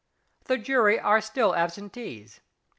The jury are still absentees.